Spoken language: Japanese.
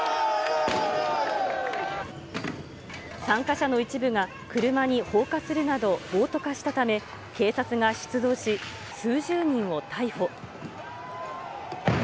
参加者の一部が車に放火するなど暴徒化したため、警察が出動し、数十人を逮捕。